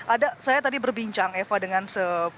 ada saya tadi berbincang eva dengan